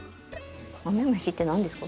マメムシって何ですか？